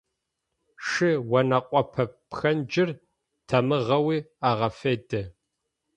Шы онэкъопэ пхэнджыр тамыгъэуи агъэфедэ.